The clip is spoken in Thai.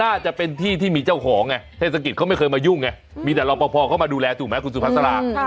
น่าจะเป็นที่ที่มีเจ้าของไงเทศกิจเขาไม่เคยมายุ่งไงมีแต่รอปภเข้ามาดูแลถูกไหมคุณสุภาษา